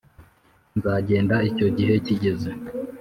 nzagenda icyo gihe kigeze.